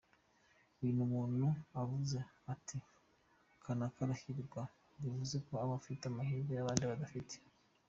Iyo umuntu avuze ati kanaka arahirwa bivuga ko aba afite amahirwe abandi badafite.